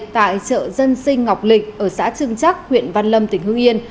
tại chợ dân sinh ngọc lịch ở xã trưng chắc huyện văn lâm tỉnh hương yên